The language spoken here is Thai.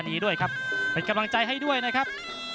นักมวยจอมคำหวังเว่เลยนะครับ